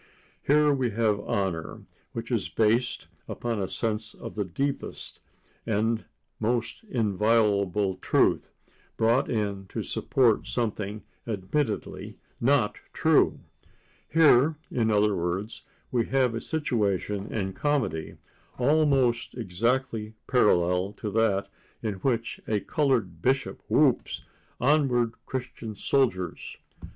Here we have honor, which is based upon a sense of the deepest and most inviolable truth, brought in to support something admittedly not true. Here, in other words, we have a situation in comedy, almost exactly parallel to that in which a colored bishop whoops "Onward, Christian Soldiers!"